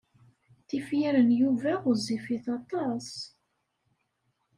Tifyar n Yuba ɣezzifit aṭas.